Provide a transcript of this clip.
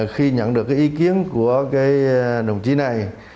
khi nhận được cái ý kiến của cái đồng chí này